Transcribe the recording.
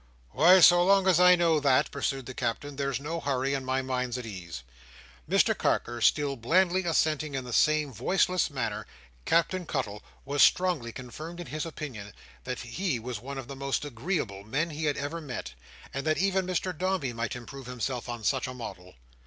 "Why, so long as I know that," pursued the Captain, "there's no hurry, and my mind's at ease. Mr Carker still blandly assenting in the same voiceless manner, Captain Cuttle was strongly confirmed in his opinion that he was one of the most agreeable men he had ever met, and that even Mr Dombey might improve himself on such a model.